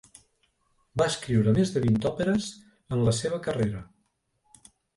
Va escriure més de vint òperes en la seva carrera.